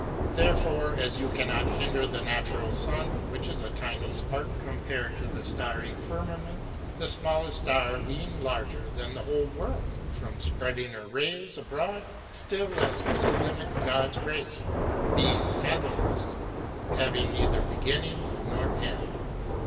There fore as you cannot hinder the natural sun, which is a tiny spark compared to the starry firmament, — the smallest star being larger than the whole world, — from spreading her rays abroad, still less can you limit God's grace, being fathomless, having neither beginning nor end.